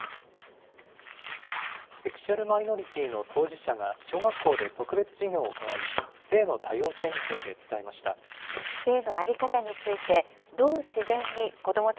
セクシュアルマイノリティーの当事者が、小学校で特別授業を行い、性の多様性について伝えました。